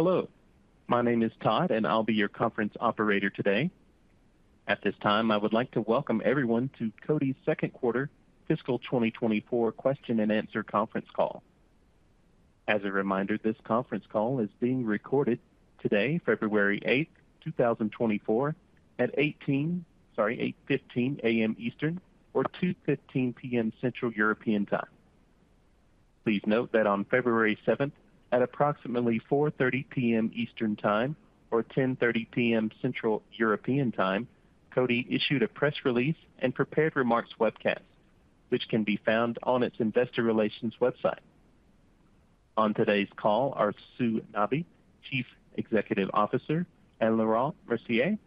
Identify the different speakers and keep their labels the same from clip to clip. Speaker 1: Hello, my name is Todd, and I'll be your conference operator today. At this time, I would like to welcome everyone to Coty's second quarter fiscal 2024 question-and-answer conference call. As a reminder, this conference call is being recorded today, February 8, 2024 at 8:15 A.M. Eastern or 2:15 P.M. Central European Time. Please note that on February 7, at approximately 4:30 P.M. Eastern Time or 10:30 P.M. Central European Time, Coty issued a press release and prepared remarks webcast, which can be found on its Investor Relations website. On today's call are Sue Nabi, Chief Executive Officer, and Laurent Mercier,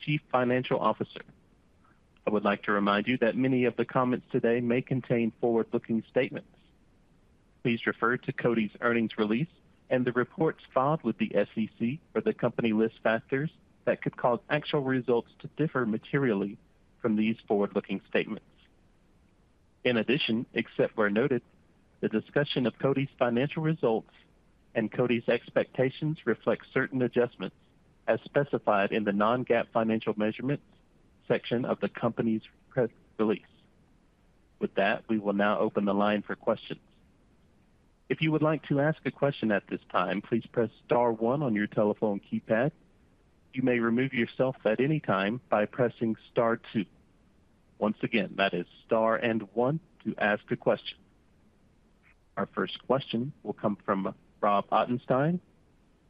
Speaker 1: Chief Financial Officer. I would like to remind you that many of the comments today may contain forward-looking statements. Please refer to Coty's earnings release and the reports filed with the SEC for the company list factors that could cause actual results to differ materially from these forward-looking statements. In addition, except where noted, the discussion of Coty's financial results and Coty's expectations reflect certain adjustments as specified in the non-GAAP financial measurements section of the company's press release. With that, we will now open the line for questions. If you would like to ask a question at this time, please press star one on your telephone keypad. You may remove yourself at any time by pressing star two. Once again, that is star and one to ask a question. Our first question will come from Rob Ottenstein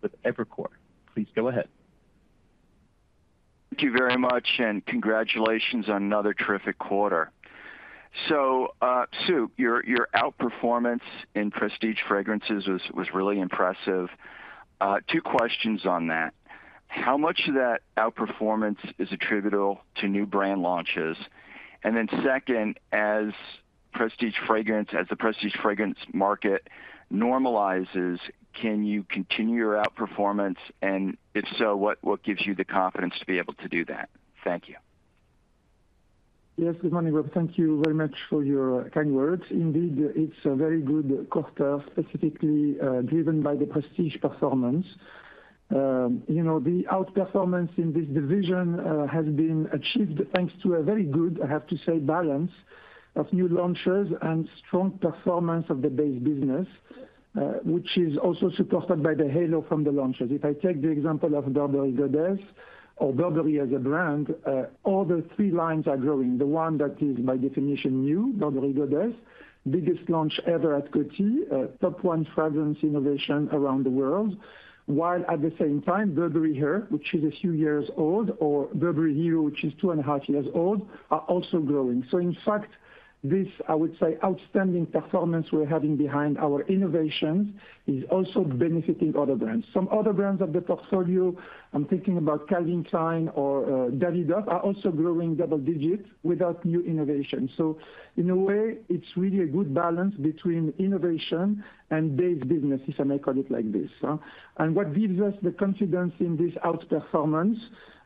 Speaker 1: with Evercore. Please go ahead.
Speaker 2: Thank you very much, and congratulations on another terrific quarter. So, Sue, your outperformance in Prestige Fragrances was really impressive. Two questions on that. How much of that outperformance is attributable to new brand launches? And then second, as the Prestige Fragrance market normalizes, can you continue your outperformance? And if so, what gives you the confidence to be able to do that? Thank you.
Speaker 3: Yes, good morning, Rob. Thank you very much for your kind words. Indeed, it's a very good quarter, specifically, driven by the Prestige performance. You know, the outperformance in this division has been achieved thanks to a very good, I have to say, balance of new launches and strong performance of the base business, which is also supported by the halo from the launches. If I take the example of Burberry Goddess or Burberry as a brand, all the three lines are growing. The one that is, by definition, new, Burberry Goddess, biggest launch ever at Coty, top 1 fragrance innovation around the world, while at the same time, Burberry Her, which is a few years old, or Burberry Hero, which is 2.5 years old, are also growing. So in fact, this, I would say, outstanding performance we're having behind our innovations is also benefiting other brands. Some other brands of the portfolio, I'm thinking about Calvin Klein or, Davidoff are also growing double digits without new innovation. So in a way, it's really a good balance between innovation and base business, if I may call it like this. And what gives us the confidence in this outperformance,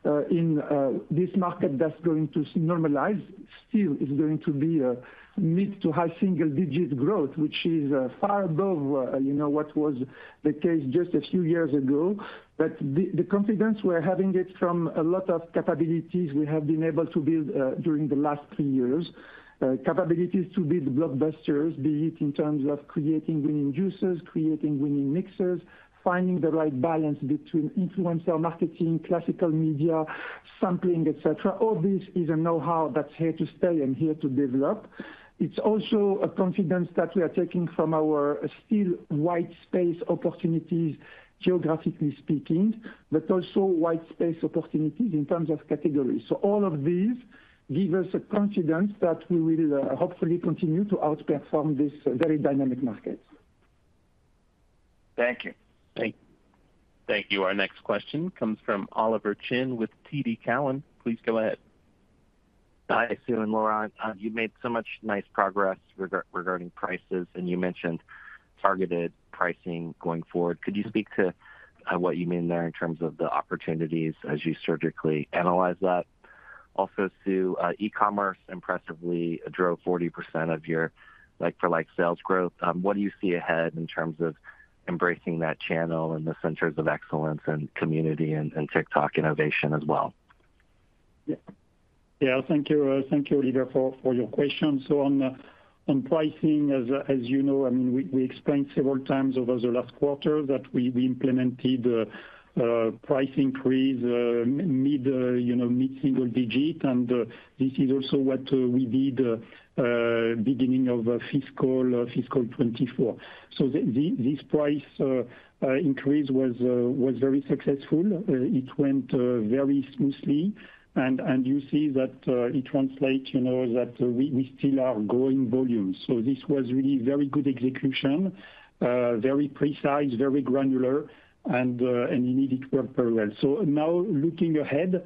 Speaker 3: in, this market that's going to normalize, still is going to be a mid to high single-digit growth, which is far above, you know, what was the case just a few years ago. But the, the confidence we're having it from a lot of capabilities we have been able to build, during the last three years. Capabilities to build blockbusters, be it in terms of creating winning juices, creating winning mixers, finding the right balance between influencer marketing, classical media, sampling, et cetera. All this is a know-how that's here to stay and here to develop. It's also a confidence that we are taking from our still wide space opportunities, geographically speaking, but also wide space opportunities in terms of categories. So all of these give us a confidence that we will hopefully continue to outperform this very dynamic market.
Speaker 2: Thank you.
Speaker 1: Thank you. Our next question comes from Oliver Chen with TD Cowen. Please go ahead.
Speaker 4: Hi, Sue and Laurent. You made so much nice progress regarding prices, and you mentioned targeted pricing going forward. Could you speak to what you mean there in terms of the opportunities as you surgically analyze that? Also, Sue, e-commerce impressively drove 40% of your like-for-like sales growth. What do you see ahead in terms of embracing that channel and the centers of excellence and community and TikTok innovation as well?
Speaker 5: Yeah. Yeah, thank you, thank you, Oliver, for your question. So on pricing, as you know, I mean, we explained several times over the last quarter that we implemented price increases mid-single-digit, and this is also what we did beginning of fiscal 2024. So this price increase was very successful. It went very smoothly, and you see that it translates, you know, that we still are growing volumes. So this was really very good execution, very precise, very granular, and indeed it worked very well. So now, looking ahead,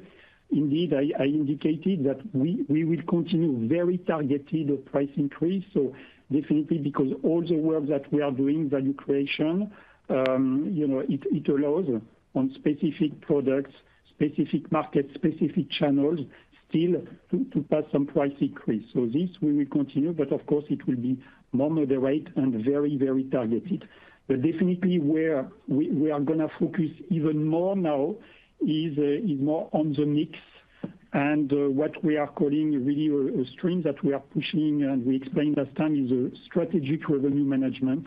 Speaker 5: indeed, I indicated that we will continue very targeted price increases. So definitely because all the work that we are doing, value creation, you know, it, it allows, right?... on specific products, specific markets, specific channels, still to pass some price increase. So this we will continue, but of course it will be more moderate and very, very targeted. But definitely where we are going to focus even more now is more on the mix and what we are calling really a stream that we are pushing, and we explained last time, is Strategic Revenue Management,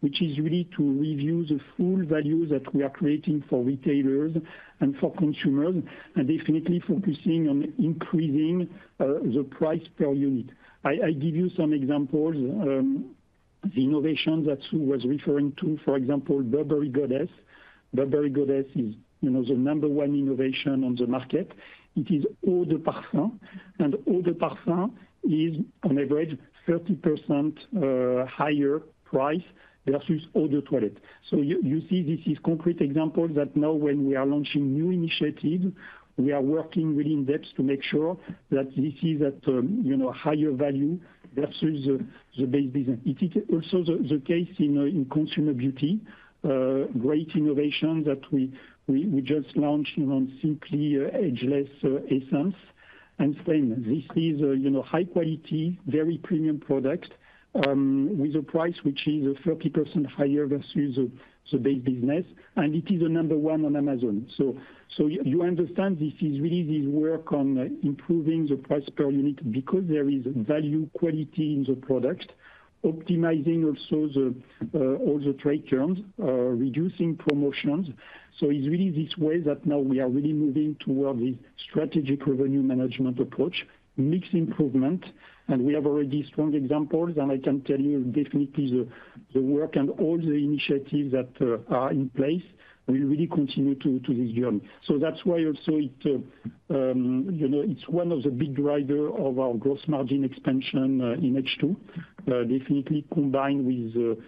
Speaker 5: which is really to review the full value that we are creating for retailers and for consumers, and definitely focusing on increasing the price per unit. I give you some examples. The innovation that Sue was referring to, for example, Burberry Goddess. Burberry Goddess is, you know, the number one innovation on the market. It is eau de parfum, and eau de parfum is on average 30% higher price versus eau de toilette. So you see, this is concrete example that now when we are launching new initiative, we are working really in-depth to make sure that this is at, you know, a higher value versus the base business. It is also the case in consumer beauty. Great innovation that we just launched, you know, Simply Ageless Essence. And same, this is a, you know, high quality, very premium product with a price which is a 30% higher versus the base business, and it is a number one on Amazon. So you understand this is really this work on improving the price per unit because there is value quality in the product, optimizing also the all the trade terms, reducing promotions. So it's really this way that now we are really moving toward the strategic revenue management approach, mixed improvement, and we have already strong examples. And I can tell you definitely the work and all the initiatives that are in place, we really continue to this journey. So that's why also it you know, it's one of the big driver of our gross margin expansion in H2. Definitely combined with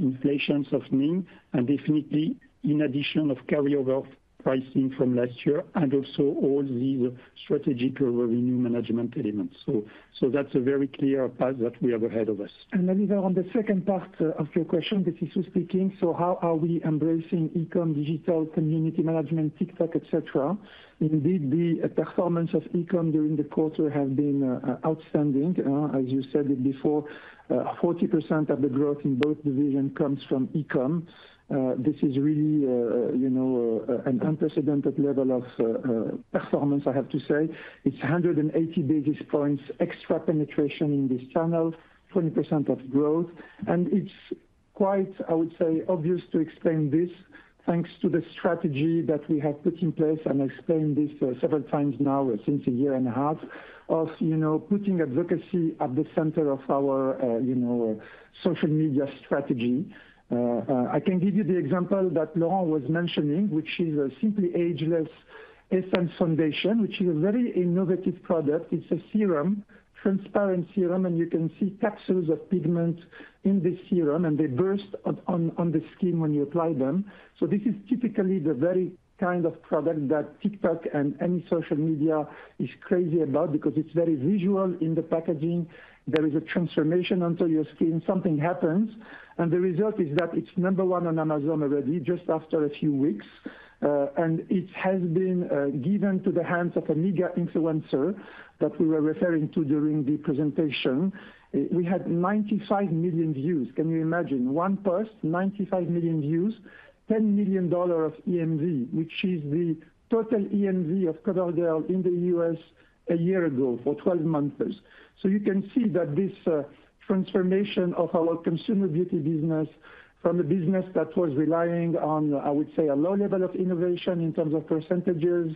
Speaker 5: inflation softening and definitely in addition of carryover pricing from last year, and also all these strategic revenue management elements. So that's a very clear path that we have ahead of us.
Speaker 3: And then on the second part of your question, this is Sue speaking. So how are we embracing e-com, digital, community management, TikTok, et cetera? Indeed, the performance of e-com during the quarter has been outstanding. As you said it before, 40% of the growth in both division comes from e-com. This is really, you know, an unprecedented level of performance, I have to say. It's 180 basis points, extra penetration in this channel, 20% of growth. And it's quite, I would say, obvious to explain this, thanks to the strategy that we have put in place, and I explained this several times now, since a year and a half, of, you know, putting advocacy at the center of our, you know, social media strategy. I can give you the example that Laurent was mentioning, which is a Simply Ageless Essence foundation, which is a very innovative product. It's a serum, transparent serum, and you can see capsules of pigment in the serum, and they burst on the skin when you apply them. So this is typically the very kind of product that TikTok and any social media is crazy about because it's very visual in the packaging. There is a transformation onto your skin. Something happens, and the result is that it's number one on Amazon already, just after a few weeks. And it has been given to the hands of a mega influencer that we were referring to during the presentation. We had 95 million views. Can you imagine? One post, 95 million views, $10 million of EMV, which is the total EMV of CoverGirl in the U.S. a year ago for 12 months. So you can see that this transformation of our consumer beauty business from a business that was relying on, I would say, a low level of innovation in terms of percentages,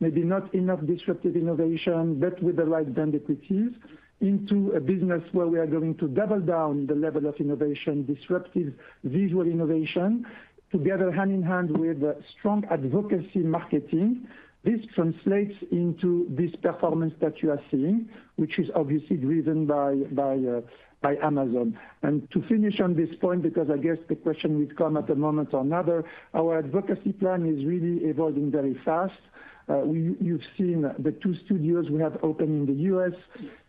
Speaker 3: maybe not enough disruptive innovation, but with the right benefits, into a business where we are going to double down the level of innovation, disruptive visual innovation, together hand in hand with strong advocacy marketing. This translates into this performance that you are seeing, which is obviously driven by Amazon. And to finish on this point, because I guess the question will come at a moment or another, our advocacy plan is really evolving very fast. You've seen the two studios we have opened in the U.S.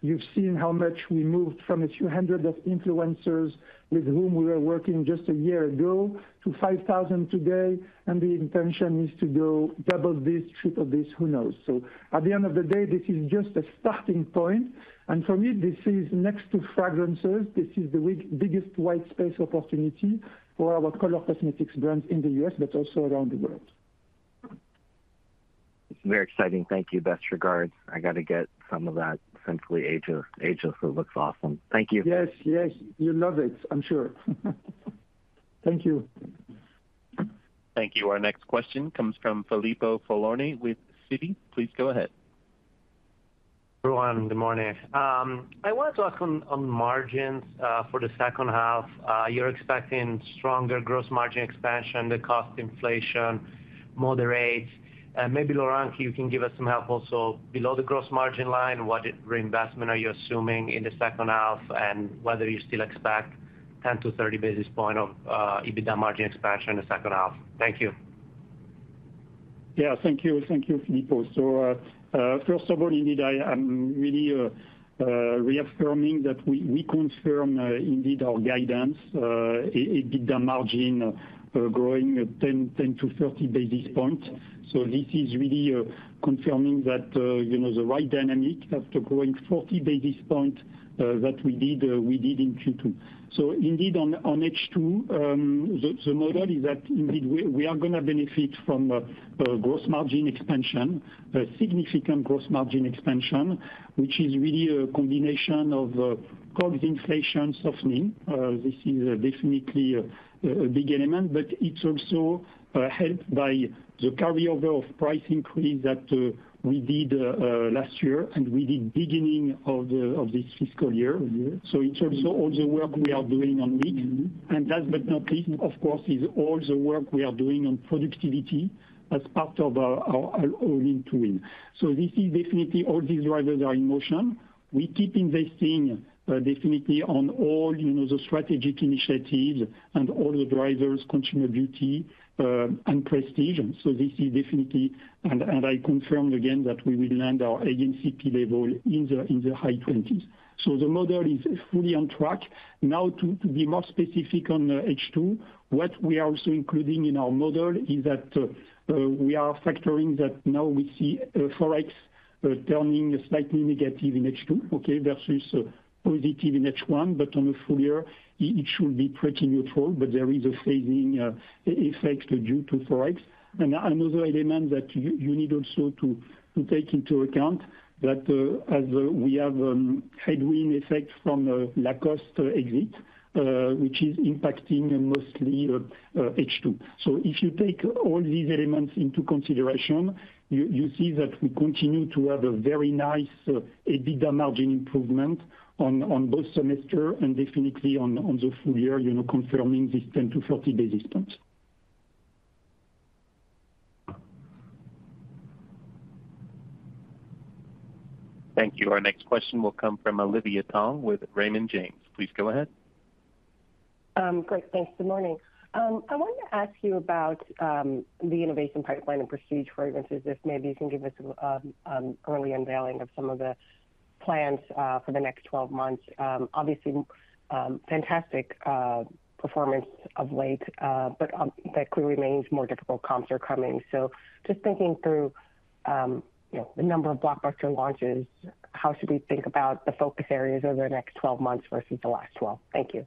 Speaker 3: You've seen how much we moved from a few hundred of influencers with whom we were working just a year ago, to 5,000 today, and the intention is to go double this, triple this, who knows? So at the end of the day, this is just a starting point. For me, this is next to fragrances, this is the biggest white space opportunity for our color cosmetics brands in the U.S., but also around the world.
Speaker 4: It's very exciting. Thank you. Best regards. I got to get some of that Simply Ageless. Ageless, it looks awesome. Thank you.
Speaker 3: Yes, yes, you'll love it, I'm sure. Thank you.
Speaker 1: Thank you. Our next question comes from Filippo Falorni with Citi. Please go ahead.
Speaker 6: Filippo, good morning. I want to talk on, on margins for the second half. You're expecting stronger gross margin expansion, the cost inflation moderate. Maybe, Laurent, you can give us some help also below the gross margin line, what reinvestment are you assuming in the second half, and whether you still expect 10-30 basis points of EBITDA margin expansion in the second half? Thank you....
Speaker 5: Yeah, thank you. Thank you, Filippo. So, first of all, indeed, I am really reaffirming that we confirm indeed our guidance, EBITDA margin growing at 10-30 basis points. So this is really confirming that, you know, the right dynamic after growing 40 basis points that we did in Q2. So indeed, on H2, the model is that indeed, we are going to benefit from gross margin expansion, a significant gross margin expansion, which is really a combination of COGS inflation softening. This is definitely a big element, but it's also helped by the carryover of price increase that we did last year, and we did beginning of this fiscal year. So it's also all the work we are doing on mix, and last but not least, of course, is all the work we are doing on productivity as part of our All-in-to-Win. So this is definitely all these drivers are in motion. We keep investing, definitely on all, you know, the strategic initiatives and all the drivers, consumer beauty, and prestige. So this is definitely, and I confirm again that we will land our A&P level in the high twenties. So the model is fully on track. Now, to be more specific on H2, what we are also including in our model is that we are factoring that now we see Forex turning slightly negative in H2, okay, versus positive in H1, but on a full year, it should be pretty neutral, but there is a phasing effect due to Forex. And another element that you need also to take into account that as we have headwind effect from Lacoste exit, which is impacting mostly H2. So if you take all these elements into consideration, you see that we continue to have a very nice EBITDA margin improvement on both semester and definitely on the full year, you know, confirming this 10-40 basis points.
Speaker 1: Thank you. Our next question will come from Olivia Tong with Raymond James. Please go ahead.
Speaker 7: Great, thanks. Good morning. I wanted to ask you about the innovation pipeline and prestige fragrances, if maybe you can give us early unveiling of some of the plans for the next 12 months. Obviously, fantastic performance of late, but that clearly remains more difficult comps are coming. So just thinking through, you know, the number of blockbuster launches, how should we think about the focus areas over the next 12 months versus the last 12? Thank you.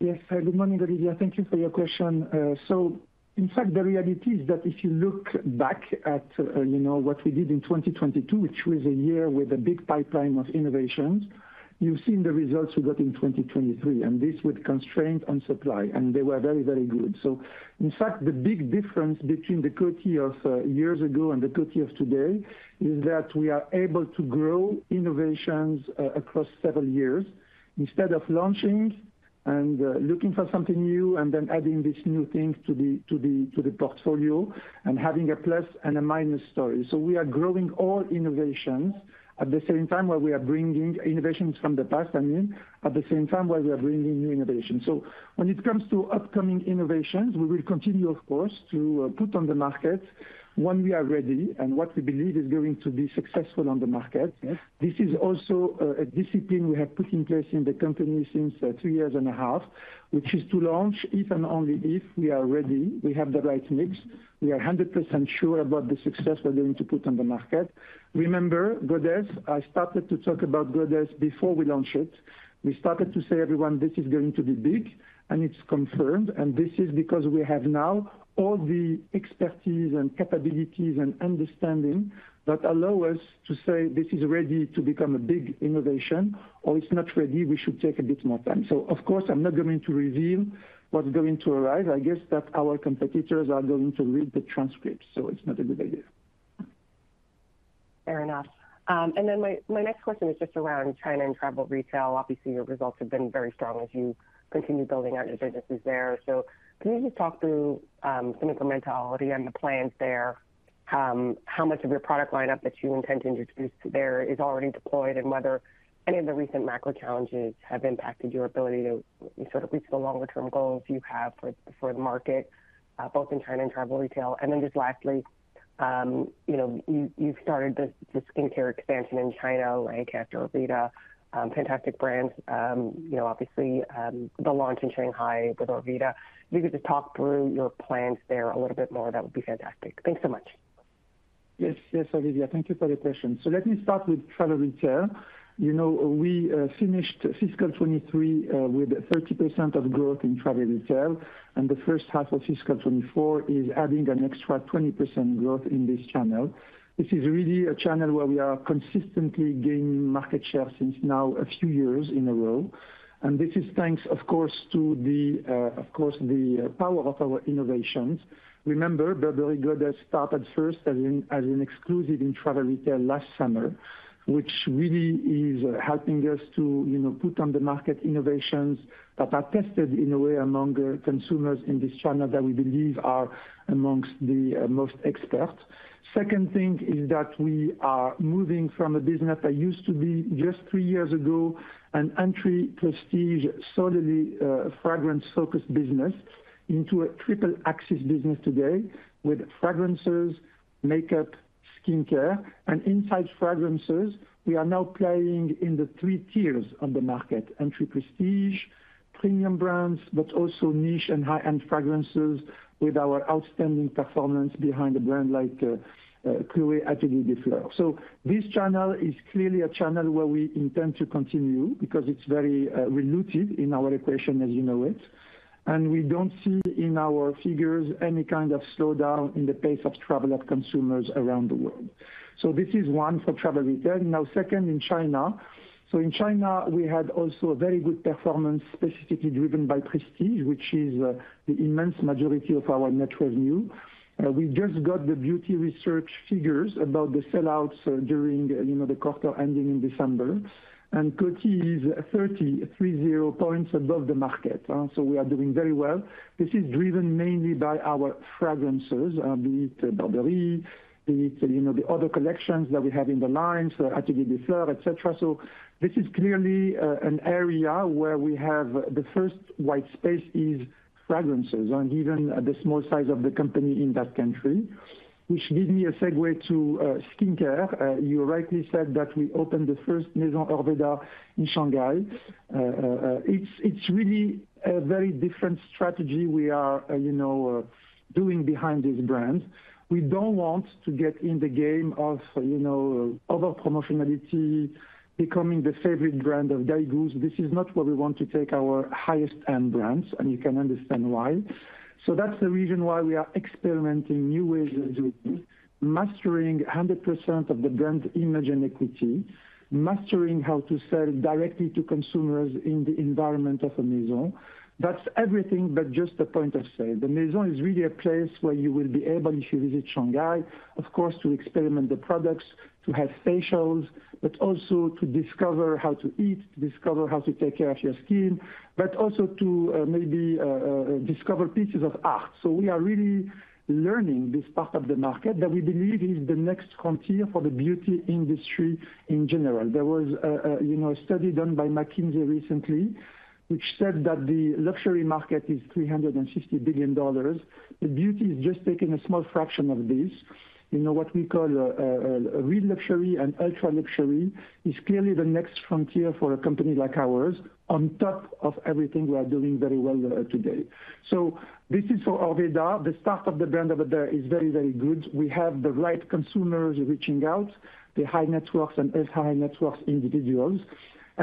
Speaker 3: Yes. Good morning, Olivia. Thank you for your question. So in fact, the reality is that if you look back at, you know, what we did in 2022, which was a year with a big pipeline of innovations, you've seen the results we got in 2023, and this with constraint on supply, and they were very, very good. So in fact, the big difference between the Coty of years ago and the Coty of today, is that we are able to grow innovations across several years, instead of launching and looking for something new and then adding these new things to the portfolio, and having a plus and a minus story. So we are growing all innovations at the same time, while we are bringing innovations from the past, I mean, at the same time, while we are bringing new innovations. So when it comes to upcoming innovations, we will continue, of course, to put on the market when we are ready and what we believe is going to be successful on the market. This is also a discipline we have put in place in the company since 2.5 years, which is to launch if and only if we are ready, we have the right mix, we are 100% sure about the success we're going to put on the market. Remember, Goddess, I started to talk about Goddess before we launched it. We started to say, everyone, this is going to be big, and it's confirmed, and this is because we have now all the expertise and capabilities and understanding that allow us to say this is ready to become a big innovation, or it's not ready, we should take a bit more time. So of course, I'm not going to reveal what's going to arrive. I guess that our competitors are going to read the transcript, so it's not a good idea.
Speaker 7: Fair enough. And then my, my next question is just around China and travel retail. Obviously, your results have been very strong as you continue building out your businesses there. So can you just talk through, some of the mentality and the plans there? How much of your product lineup that you intend to introduce there is already deployed, and whether any of the recent macro challenges have impacted your ability to sort of reach the longer term goals you have for, for the market, both in China and travel retail? And then just lastly, you know, you, you've started the, the skincare expansion in China, right, after Orveda, fantastic brands, you know, obviously, the launch in Shanghai with Orveda. If you could just talk through your plans there a little bit more, that would be fantastic. Thanks so much.
Speaker 3: Yes, yes, Olivia, thank you for the question. So let me start with travel retail. You know, we finished fiscal 2023 with 30% of growth in travel retail, and the first half of fiscal 2024 is adding an extra 20% growth in this channel. This is really a channel where we are consistently gaining market share since now a few years in a row. And this is thanks, of course, to the, of course, the power of our innovations. Remember, Burberry Goddess started first as an, as an exclusive in travel retail last summer, which really is helping us to, you know, put on the market innovations that are tested in a way among, consumers in this channel that we believe are amongst the, most expert. Second thing is that we are moving from a business that used to be just three years ago, an entry prestige, solidly, fragrance-focused business into a triple axis business today with fragrances, makeup, skincare, and inside fragrances. We are now playing in the three tiers on the market, entry prestige-premium brands, but also niche and high-end fragrances with our outstanding performance behind a brand like Chloé Atelier des Fleurs. So this channel is clearly a channel where we intend to continue because it's very dilutive in our equation, as you know it, and we don't see in our figures any kind of slowdown in the pace of travel of consumers around the world. So this is one for travel retail. Now, second, in China. So in China, we had also a very good performance, specifically driven by Prestige, which is the immense majority of our net revenue. We just got the beauty research figures about the sellouts during, you know, the quarter ending in December, and Coty is 30 points above the market, so we are doing very well. This is driven mainly by our fragrances, be it Burberry, be it, you know, the other collections that we have in the line, so Atelier des Fleurs, et cetera. So this is clearly an area where we have the first white space is fragrances and even the small size of the company in that country, which leads me a segue to skincare. You rightly said that we opened the first Maison Orveda in Shanghai. It's really a very different strategy we are, you know, doing behind this brand. We don't want to get in the game of, you know, over promotionality, becoming the favorite brand of daigous. This is not where we want to take our highest-end brands, and you can understand why. So that's the reason why we are experimenting new ways of doing this, mastering 100% of the brand image and equity, mastering how to sell directly to consumers in the environment of a maison. That's everything, but just a point of sale. The maison is really a place where you will be able, if you visit Shanghai, of course, to experiment the products, to have facials, but also to discover how to eat, to discover how to take care of your skin, but also to, maybe, discover pieces of art. So we are really learning this part of the market that we believe is the next frontier for the beauty industry in general. There was, you know, a study done by McKinsey recently, which said that the luxury market is $360 billion. The beauty is just taking a small fraction of this. You know, what we call a real luxury and ultra-luxury is clearly the next frontier for a company like ours, on top of everything we are doing very well today. So this is for Orveda. The start of the brand over there is very, very good. We have the right consumers reaching out, the high net worth and ultra-high net worth individuals.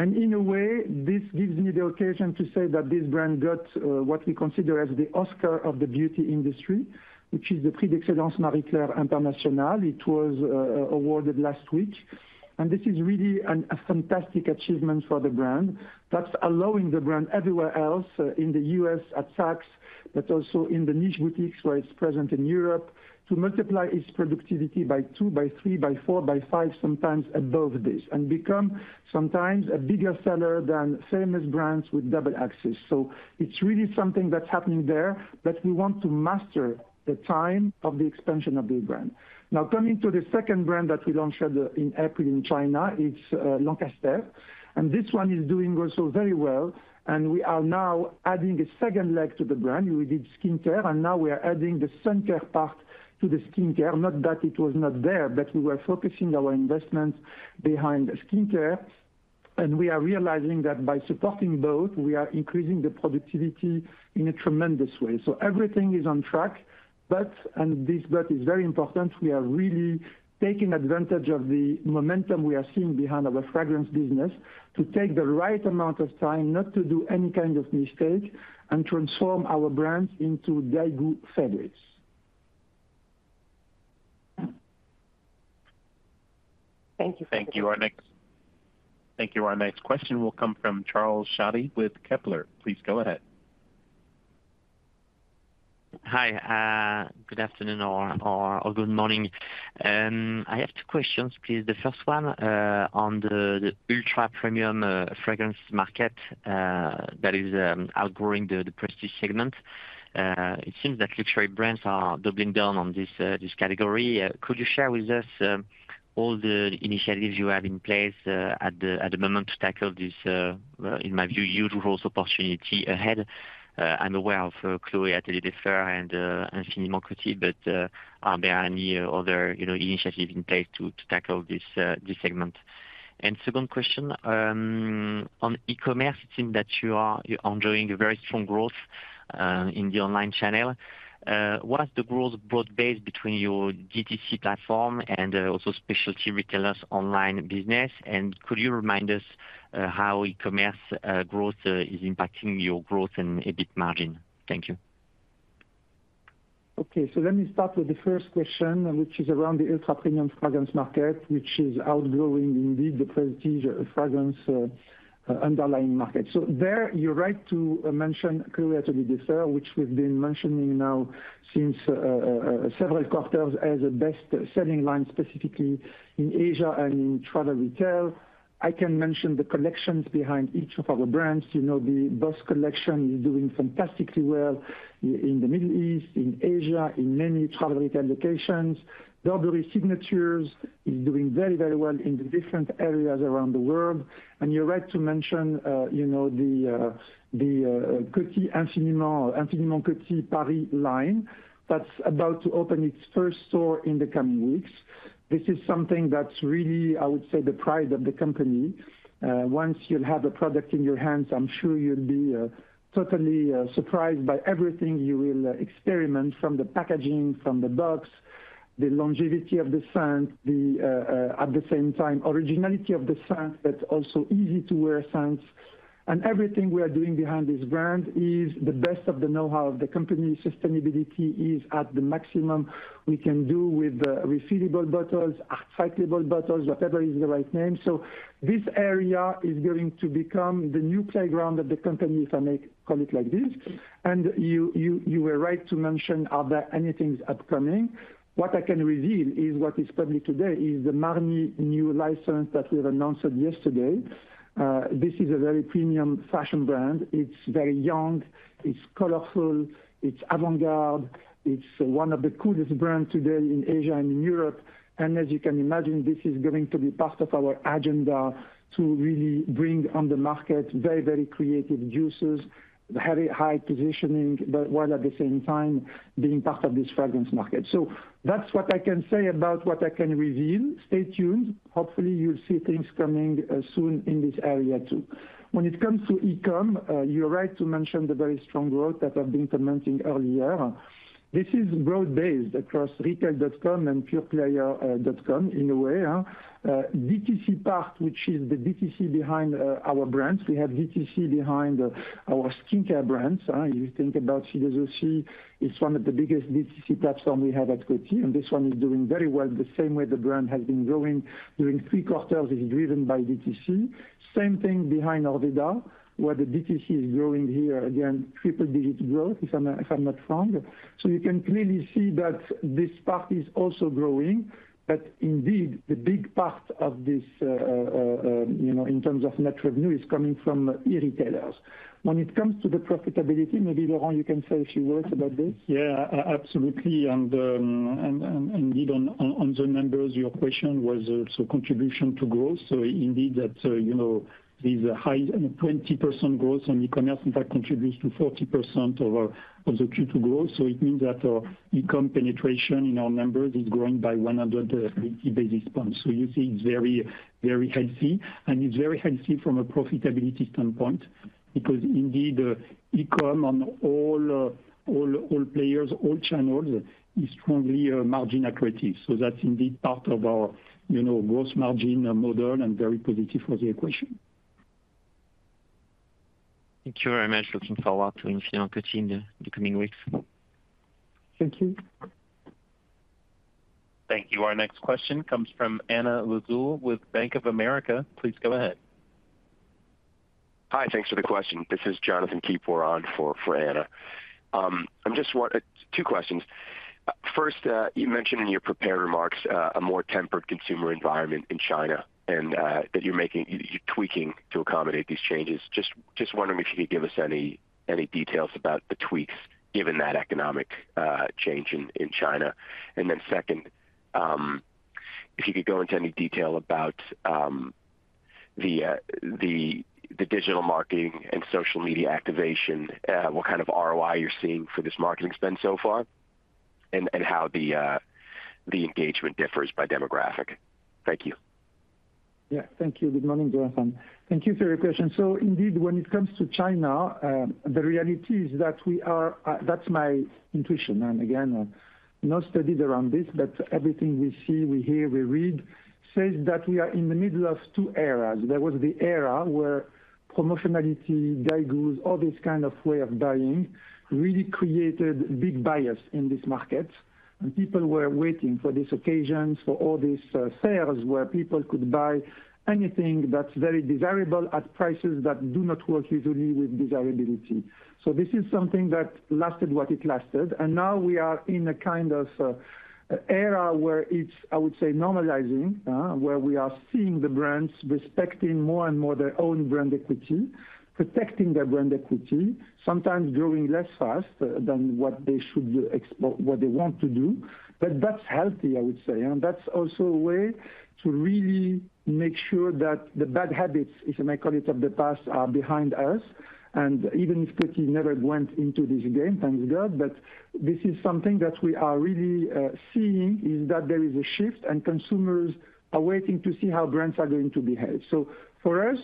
Speaker 3: In a way, this gives me the occasion to say that this brand got what we consider as the Oscar of the beauty industry, which is the Prix d'Excellence Marie Claire International. It was awarded last week, and this is really a fantastic achievement for the brand. That's allowing the brand everywhere else in the U.S. at Saks, but also in the niche boutiques, where it's present in Europe, to multiply its productivity by two, by three, by four, by five, sometimes above this, and become sometimes a bigger seller than famous brands with double axis. So it's really something that's happening there, but we want to master the time of the expansion of the brand. Now, coming to the second brand that we launched in April in China, it's Lancaster, and this one is doing also very well, and we are now adding a second leg to the brand. We did skincare, and now we are adding the sun care part to the skincare. Not that it was not there, but we were focusing our investments behind skincare, and we are realizing that by supporting both, we are increasing the productivity in a tremendous way. So everything is on track, but, and this but is very important, we are really taking advantage of the momentum we are seeing behind our fragrance business to take the right amount of time not to do any kind of mistake and transform our brands into daigou favorites. Thank you.
Speaker 1: Thank you. Our next question will come from Charles Scotti with Kepler. Please go ahead.
Speaker 8: Hi, good afternoon or good morning. I have two questions, please. The first one, on the ultra-premium fragrance market that is outgrowing the prestige segment. It seems that luxury brands are doubling down on this category. Could you share with us all the initiatives you have in place at the moment to tackle this, well, in my view, huge growth opportunity ahead? I'm aware of Chloé Atelier des Fleurs and Infiniment Coty, but are there any other, you know, initiatives in place to tackle this segment? And second question, on e-commerce, it seems that you are enjoying a very strong growth in the online channel. What's the growth broad-based between your DTC platform and also specialty retailers online business? Could you remind us how e-commerce growth is impacting your growth and EBIT margin? Thank you.
Speaker 3: Okay, so let me start with the first question, which is around the ultra-premium fragrance market, which is outgrowing indeed the prestige fragrance underlying market. So there, you're right to mention Chloé Atelier des Fleurs, which we've been mentioning now since several quarters as the best-selling line, specifically in Asia and in travel retail. I can mention the collections behind each of our brands. You know, the Boss Collection is doing fantastically well in the Middle East, in Asia, in many travel retail locations. Burberry Signatures is doing very, very well in the different areas around the world. And you're right to mention, you know, the Infiniment Coty Paris line that's about to open its first store in the coming weeks. This is something that's really, I would say, the pride of the company. Once you'll have the product in your hands, I'm sure you'll be totally surprised by everything you will experiment, from the packaging, the longevity of the scent, the at the same time originality of the scent, but also easy-to-wear scents. And everything we are doing behind this brand is the best of the know-how of the company. Sustainability is at the maximum we can do with refillable bottles, recyclable bottles, whatever is the right name. So this area is going to become the new playground of the company, if I may call it like this. And you were right to mention, are there anything upcoming? What I can reveal is what is public today, is the Marni new license that we have announced yesterday. This is a very premium fashion brand. It's very young, it's colorful, it's avant-garde, it's one of the coolest brands today in Asia and in Europe. As you can imagine, this is going to be part of our agenda to really bring on the market very, very creative juices, very high positioning, but while at the same time being part of this fragrance market. That's what I can say about what I can reveal. Stay tuned. Hopefully, you'll see things coming soon in this area, too. When it comes to e-com, you're right to mention the very strong growth that I've been commenting earlier. This is broad-based across retail.com and pureplayer.com, in a way, huh? DTC part, which is the DTC behind our brands. We have DTC behind our skincare brands. You think about Orveda, it's one of the biggest DTC platform we have at Coty, and this one is doing very well. The same way the brand has been growing during three quarters is driven by DTC. Same thing behind Orveda, where the DTC is growing here, again, triple-digit growth, if I'm, if I'm not wrong. So you can clearly see that this part is also growing, but indeed, the big part of this, in terms of net revenue, is coming from e-retailers. When it comes to the profitability, maybe, Laurent, you can say a few words about this?
Speaker 5: Yeah, absolutely, and indeed, on the numbers, your question was also contribution to growth. So indeed, that, you know, this high 20% growth on e-commerce, in fact, contributes to 40% of the Q2 growth. So it means that, e-com penetration in our numbers is growing by 180 basis points. So you see, it's very, very healthy, and it's very healthy from a profitability standpoint, because indeed, e-com on all, all players, all channels, is strongly, margin accretive. So that's indeed part of our, you know, gross margin model and very positive for the equation.
Speaker 8: Thank you very much. Looking forward to seeing Coty in the coming weeks.
Speaker 3: Thank you.
Speaker 1: Thank you. Our next question comes from Anna Lizzul with Bank of America. Please go ahead.
Speaker 9: Hi, thanks for the question. This is Jonathan Keypour we're on for, for Anna. I'm just want two questions. First, you mentioned in your prepared remarks, a more tempered consumer environment in China and, that you're making... You're tweaking to accommodate these changes. Just, just wondering if you could give us any, any details about the tweaks, given that economic, change in, in China? And then second, if you could go into any detail about, the digital marketing and social media activation, what kind of ROI you're seeing for this marketing spend so far, and, and how the, the engagement differs by demographic? Thank you.
Speaker 3: Yeah, thank you. Good morning, Jonathan. Thank you for your question. So indeed, when it comes to China, the reality is that we are. That's my intuition. And again, no studies around this, but everything we see, we hear, we read, says that we are in the middle of two eras. There was the era where promotionality, daigou, all this kind of way of buying, really created big buyers in this market. And people were waiting for these occasions, for all these sales, where people could buy anything that's very desirable at prices that do not work usually with desirability. So this is something that lasted what it lasted, and now we are in a kind of era where it's, I would say, normalizing, where we are seeing the brands respecting more and more their own brand equity, protecting their brand equity, sometimes growing less fast than what they want to do. But that's healthy, I would say. And that's also a way to really make sure that the bad habits, if I may call it, of the past, are behind us. And even if Coty never went into this game, thank God, but this is something that we are really seeing, is that there is a shift, and consumers are waiting to see how brands are going to behave. So for us,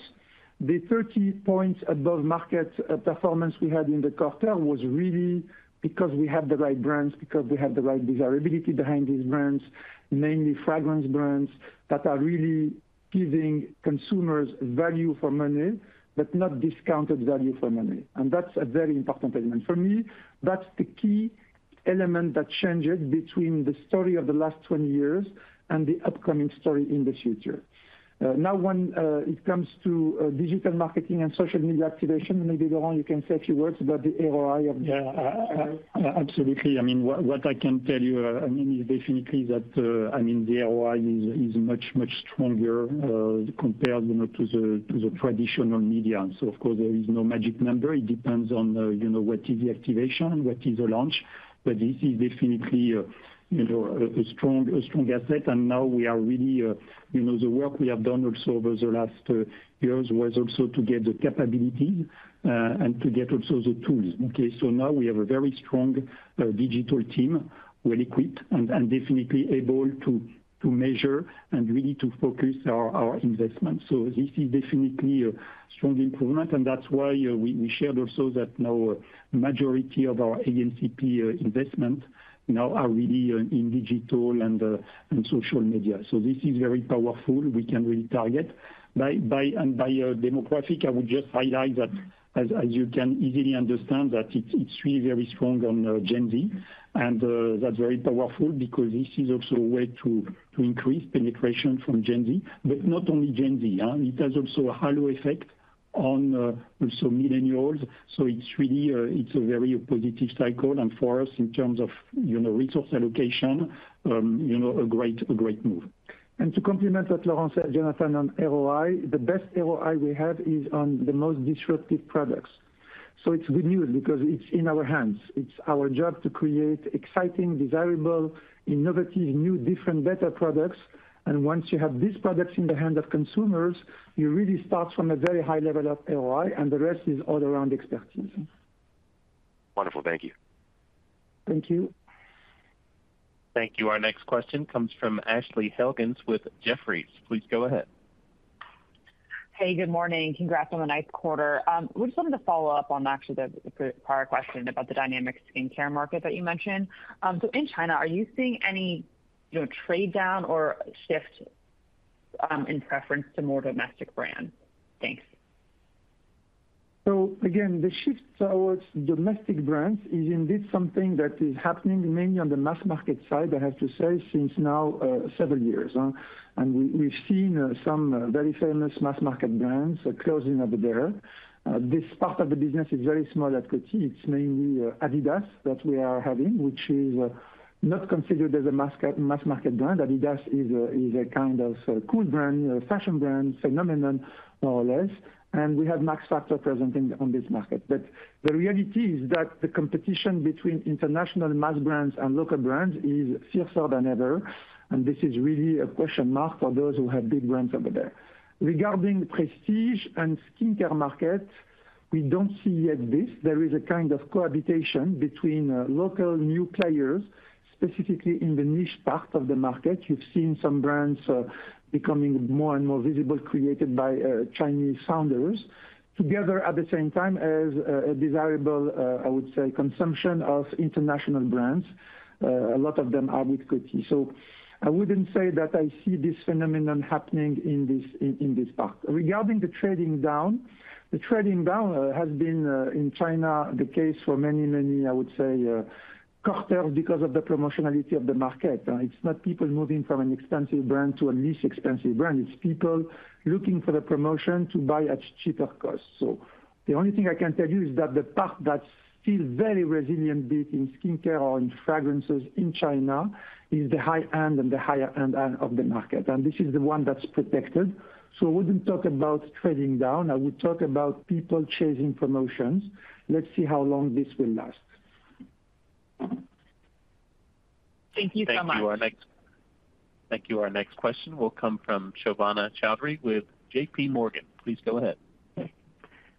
Speaker 3: the 30 points above market performance we had in the quarter was really because we have the right brands, because we have the right desirability behind these brands, namely fragrance brands, that are really giving consumers value for money, but not discounted value for money, and that's a very important element. For me, that's the key element that changed between the story of the last 20 years and the upcoming story in the future. Now, when it comes to digital marketing and social media activation, maybe, Laurent, you can say a few words about the ROI of-
Speaker 5: Yeah, absolutely. I mean, what I can tell you, I mean, definitely that, I mean, the ROI is much stronger, compared, you know, to the traditional media. And so, of course, there is no magic number. It depends on, you know, what is the activation, what is the launch, but this is definitely a, you know, a strong asset. And now we are really... You know, the work we have done also over the last years, was also to get the capability, and to get also the tools. Okay, so now we have a very strong digital team, well-equipped and definitely able to measure and really to focus our investments. So this is definitely a strong improvement, and that's why we shared also that now majority of our A&CP investment now are really in digital and social media. So this is very powerful. We can really target by demographic. I would just highlight that as you can easily understand, that it's really very strong on Gen Z. And that's very powerful because this is also a way to increase penetration from Gen Z. But not only Gen Z, it has also a halo effect on also millennials. So it's really a very positive cycle, and for us, in terms of, you know, resource allocation, you know, a great move.
Speaker 3: To complement what Laurent and Jonathan on ROI, the best ROI we have is on the most disruptive products. It's good news because it's in our hands. It's our job to create exciting, desirable, innovative, new, different, better products, and once you have these products in the hands of consumers, you really start from a very high level of ROI, and the rest is all around expertise.
Speaker 9: Wonderful. Thank you.
Speaker 3: Thank you.
Speaker 1: Thank you. Our next question comes from Ashley Helgans with Jefferies. Please go ahead.
Speaker 10: Hey, good morning. Congrats on the ninth quarter. We just wanted to follow up on actually the prior question about the dynamic skincare market that you mentioned. So in China, are you seeing any, you know, trade down or shift in preference to more domestic brands? Thanks.
Speaker 3: So again, the shift towards domestic brands is indeed something that is happening, mainly on the mass market side, I have to say, since now several years. And we've seen some very famous mass market brands closing over there. This part of the business is very small at Coty. It's mainly Adidas that we are having, which is not considered as a mass market brand. Adidas is a kind of cool brand, a fashion brand, phenomenon, more or less, and we have Max Factor present on this market. But the reality is that the competition between international mass brands and local brands is fiercer than ever, and this is really a question mark for those who have big brands over there. Regarding prestige and skincare market, we don't see yet this. There is a kind of cohabitation between local new players, specifically in the niche part of the market. You've seen some brands becoming more and more visible, created by Chinese founders, together at the same time as a desirable, I would say, consumption of international brands. A lot of them are with Coty. So I wouldn't say that I see this phenomenon happening in this part. Regarding the trading down, the trading down has been in China the case for many, many, I would say, quarters because of the promotionality of the market. It's not people moving from an expensive brand to a less expensive brand. It's people looking for a promotion to buy at cheaper costs. So the only thing I can tell you is that the part that's still very resilient, be it in skincare or in fragrances in China, is the high-end and the higher-end of the market, and this is the one that's protected. So I wouldn't talk about trading down. I would talk about people chasing promotions. Let's see how long this will last.
Speaker 10: Thank you so much.
Speaker 1: Thank you. Our next question will come from Shivani Chowdhury with JPMorgan. Please go ahead.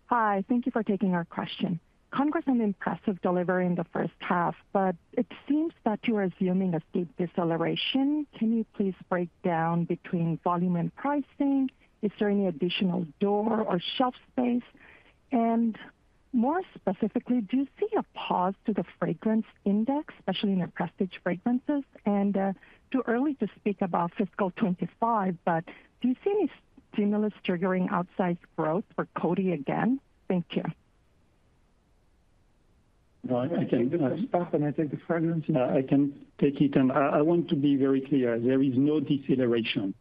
Speaker 11: Hi, thank you for taking our question. Congrats on the impressive delivery in the first half, but it seems that you are assuming a steep deceleration. Can you please break down between volume and pricing? Is there any additional door or shelf space? And more specifically, do you see a pause to the fragrance index, especially in the prestige fragrances? And, too early to speak about fiscal 2025, but do you see any stimulus triggering outsized growth for Coty again? Thank you.
Speaker 5: No, I can, and I think the fragrance, I can take it, and I want to be very clear, there is no deceleration.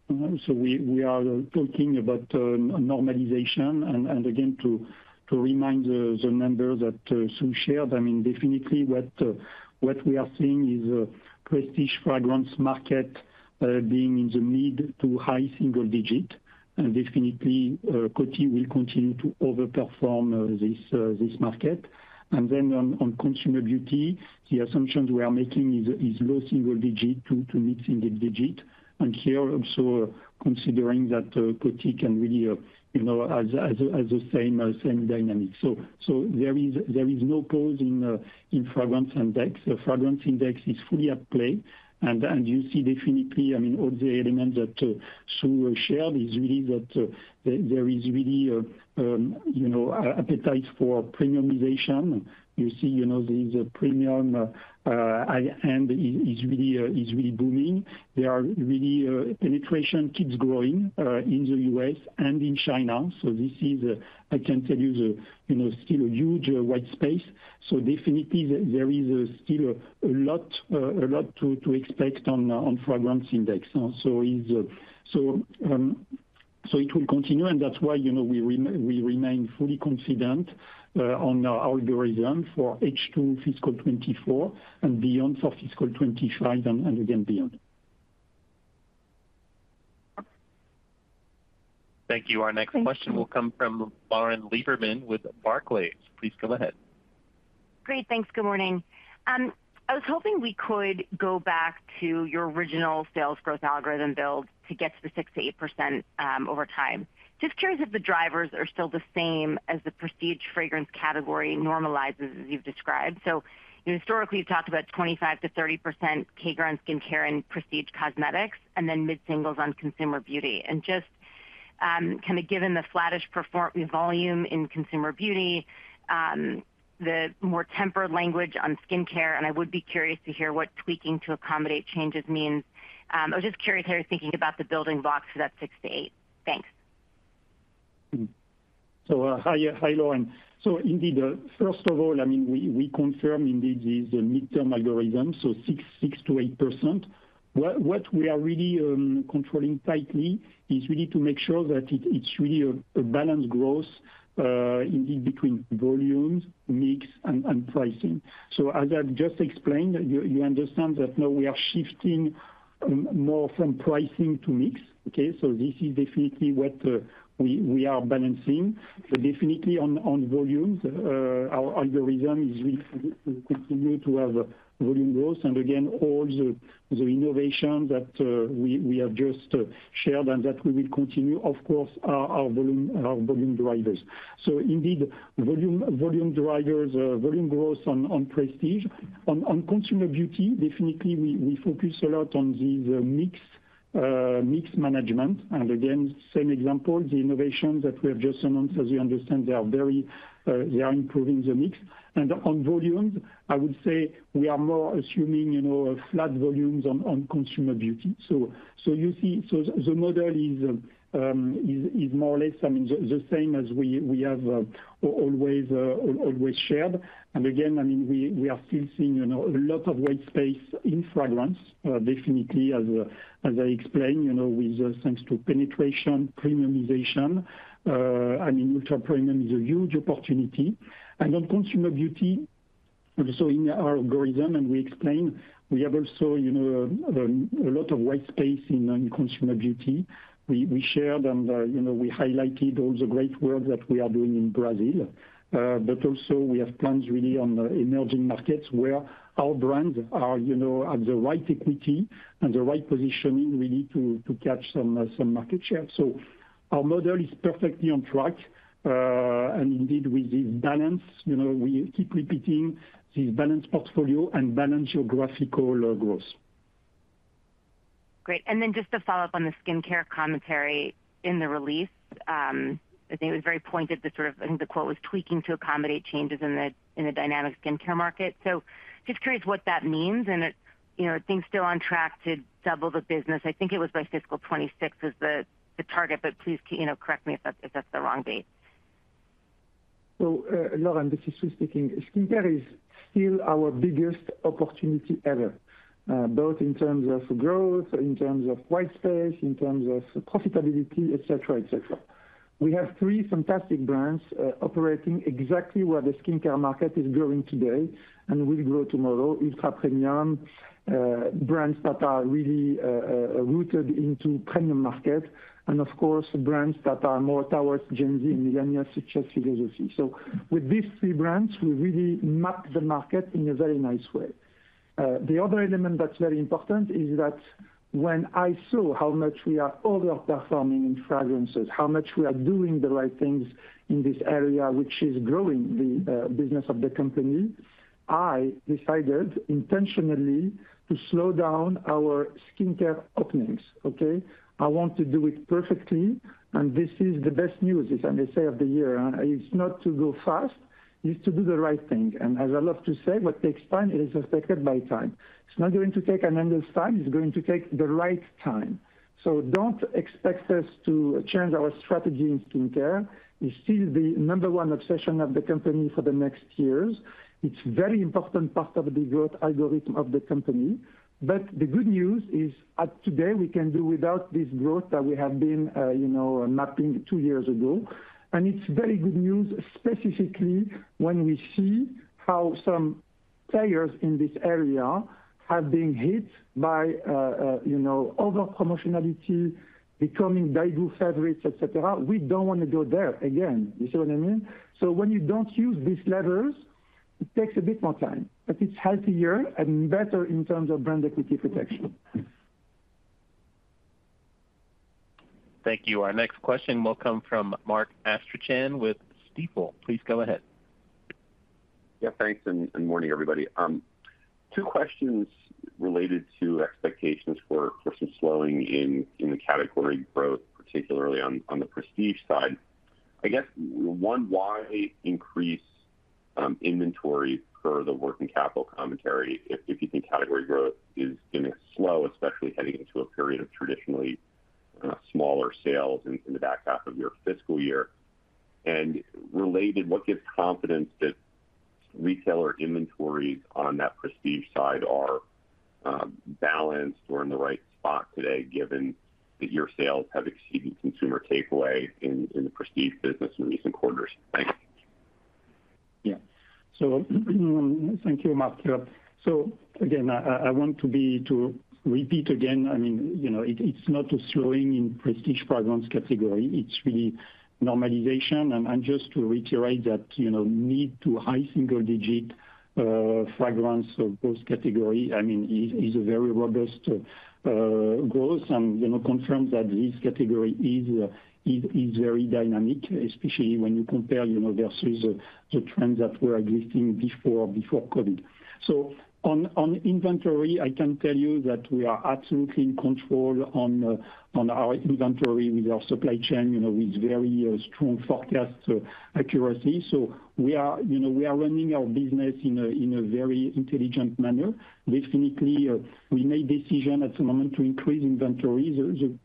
Speaker 5: So we are talking about normalization, and again, to remind the members that Sue shared, I mean, definitely what we are seeing is prestige fragrance market being in the mid- to high-single-digit, and definitely Coty will continue to overperform this market. And then on consumer beauty, the assumptions we are making is low single digit to mid-single digit. And here also considering that Coty can really you know as the same dynamic. So there is no pause in fragrance index. The fragrance index is fully at play. You see definitely, I mean, all the elements that Sue shared is really that there is really, you know, appetite for premiumization. You see, you know, the premium high-end is really booming. There are really penetration keeps growing in the U.S. and in China. So this is, I can tell you, you know, still a huge white space. So definitely there is still a lot to expect on fragrance index. So it will continue, and that's why, you know, we remain fully confident on our algorithm for H2 fiscal 2024 and beyond for fiscal 2025 and again beyond.
Speaker 1: Thank you.
Speaker 11: Thank you.
Speaker 1: Our next question will come from Lauren Lieberman with Barclays. Please go ahead.
Speaker 12: Great, thanks. Good morning. I was hoping we could go back to your original sales growth algorithm build to get to the 6%-8%, over time. Just curious if the drivers are still the same as the prestige fragrance category normalizes as you've described. So historically, you've talked about 25%-30% hair growth, skincare and prestige cosmetics, and then mid-singles on consumer beauty. And just, kind of given the flattish performance volume in consumer beauty, the more tempered language on skincare, and I would be curious to hear what tweaking to accommodate changes means. I was just curious how you're thinking about the building blocks for that 6%-8%. Thanks....
Speaker 5: Mm-hmm. So, hi, hi, Lauren. So indeed, first of all, I mean, we confirm indeed the midterm algorithm, so 6%-8%. What we are really controlling tightly is we need to make sure that it's really a balanced growth, indeed, between volumes, mix, and pricing. So as I've just explained, you understand that now we are shifting more from pricing to mix, okay? So this is definitely what we are balancing. But definitely on volumes, our algorithm is we continue to have volume growth, and again, all the innovation that we have just shared and that we will continue, of course, are our volume drivers. So indeed, volume drivers, volume growth on prestige. On consumer beauty, definitely, we focus a lot on the mix management. And again, same example, the innovations that we have just announced, as you understand, they are very, they are improving the mix. And on volumes, I would say we are more assuming, you know, flat volumes on consumer beauty. So you see, so the model is more or less, I mean, the same as we have always shared. And again, I mean, we are still seeing, you know, a lot of white space in fragrance. Definitely as I explained, you know, with thanks to penetration, premiumization, I mean, ultra premium is a huge opportunity. On consumer beauty, in our algorithm, we explained, we have also, you know, a lot of white space in consumer beauty. We shared and, you know, we highlighted all the great work that we are doing in Brazil. But also we have plans really on the emerging markets where our brands are, you know, at the right equity and the right positioning we need to catch some market share. So our model is perfectly on track. And indeed, with this balance, you know, we keep repeating this balanced portfolio and balanced geographical growth.
Speaker 12: Great. And then just to follow up on the skincare commentary in the release, I think it was very pointed, the sort of, I think the quote was tweaking to accommodate changes in the dynamic skincare market. So just curious what that means, and it, you know, are things still on track to double the business? I think it was by fiscal 2026 is the target, but please, you know, correct me if that's the wrong date.
Speaker 3: So, Lauren, this is Sue speaking. Skincare is still our biggest opportunity ever, both in terms of growth, in terms of white space, in terms of profitability, et cetera, et cetera. We have three fantastic brands, operating exactly where the skincare market is growing today and will grow tomorrow. Ultra premium, brands that are really, rooted into premium market, and of course, brands that are more towards Gen Z and millennials, such as Diesel. So with these three brands, we really map the market in a very nice way. The other element that's very important is that when I saw how much we are overperforming in fragrances, how much we are doing the right things in this area, which is growing the, business of the company, I decided intentionally to slow down our skincare openings, okay? I want to do it perfectly, and this is the best news, as I may say, of the year. It's not to go fast, it's to do the right thing. And as I love to say, what takes time is respected by time. It's not going to take an endless time, it's going to take the right time. So don't expect us to change our strategy in skincare. It's still the number one obsession of the company for the next years. It's very important part of the growth algorithm of the company. But the good news is, as today, we can do without this growth that we have been, you know, mapping two years ago. And it's very good news, specifically when we see how some players in this area have been hit by, you know, overpromotionality, becoming daigou favorites, et cetera. We don't want to go there again. You see what I mean? So when you don't use these levers, it takes a bit more time, but it's healthier and better in terms of brand equity protection.
Speaker 1: Thank you. Our next question will come from Mark Astrachan with Stifel. Please go ahead.
Speaker 13: Yeah, thanks and morning, everybody. Two questions related to expectations for some slowing in the category growth, particularly on the prestige side. I guess one, why increase inventory per the working capital commentary, if you think category growth is going to slow, especially heading into a period of traditionally smaller sales in the back half of your fiscal year? And related, what gives confidence that retailer inventories on that prestige side are balanced or in the right spot today, given that your sales have exceeded consumer takeaway in the prestige business in recent quarters? Thanks.
Speaker 5: ...Yeah. So thank you, Mark. So again, I want to be, to repeat again, I mean, you know, it, it's not a slowing in prestige fragrance category, it's really normalization. And just to reiterate that, you know, mid- to high-single-digit fragrance of those category, I mean, is a very robust growth. And, you know, confirms that this category is very dynamic, especially when you compare, you know, versus the trends that were existing before, before COVID. So on inventory, I can tell you that we are absolutely in control on our inventory with our supply chain, you know, with very strong forecast accuracy. So we are, you know, we are running our business in a very intelligent manner. Definitely, we made decision at the moment to increase inventory. The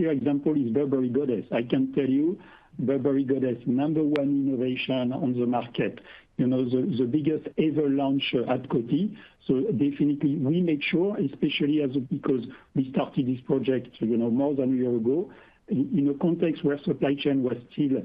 Speaker 5: clear example is Burberry Goddess. I can tell you, Burberry Goddess, number one innovation on the market, you know, the biggest ever launch at Coty. So definitely we make sure, especially as, because we started this project, you know, more than a year ago, in a context where supply chain was still,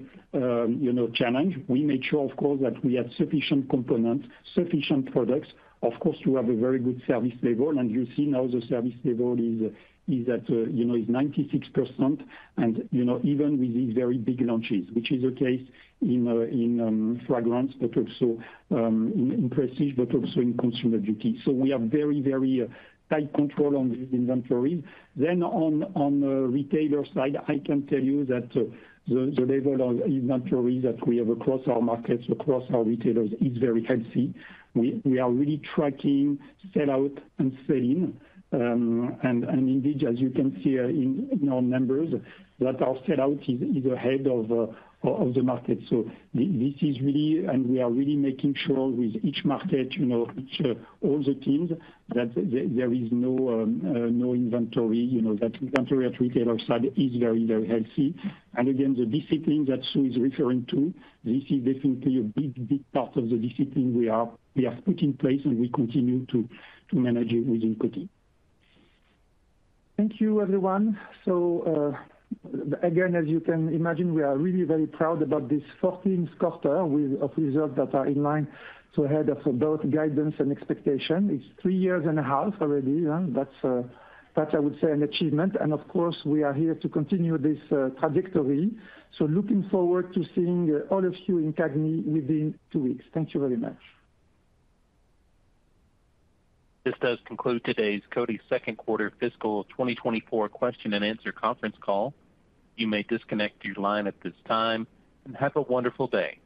Speaker 5: you know, challenged. We made sure, of course, that we had sufficient components, sufficient products. Of course, you have a very good service level, and you see now the service level is at, you know, is 96%. And, you know, even with these very big launches, which is the case in fragrance, but also in prestige, but also in consumer beauty. So we have very, very tight control on the inventory. Then, on the retailer side, I can tell you that the level of inventory that we have across our markets, across our retailers is very healthy. We are really tracking sellout and sell-in, and indeed, as you can see, in our numbers, that our sellout is ahead of the market. So this is really... And we are really making sure with each market, you know, each all the teams, that there is no inventory, you know, that inventory at retailer side is very, very healthy. And again, the discipline that Sue is referring to, this is definitely a big, big part of the discipline we have put in place, and we continue to manage it within Coty. Thank you, everyone. So, again, as you can imagine, we are really very proud about this fourteenth quarter with, of results that are in line to ahead of both guidance and expectation. It's three years and a half already, and that's, that's, I would say, an achievement. And of course, we are here to continue this, trajectory. So looking forward to seeing all of you in CAGNY within two weeks. Thank you very much.
Speaker 1: This does conclude today's Coty second quarter fiscal 2024 question-and-answer conference call. You may disconnect your line at this time, and have a wonderful day.